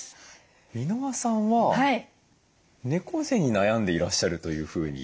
箕輪さんは猫背に悩んでいらっしゃるというふうに。